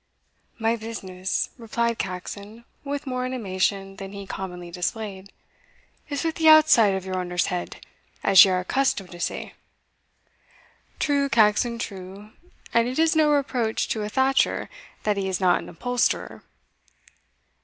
"My business," replied Caxon, with more animation than he commonly displayed, "is with the outside of your honour's head, as ye are accustomed to say." "True, Caxon, true; and it is no reproach to a thatcher that he is not an upholsterer."